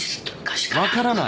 分からない。